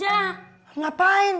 gak usah ngapain